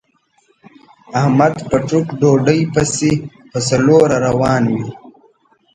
احمد په ټوک ډوډۍ پسې په څلور روان وي.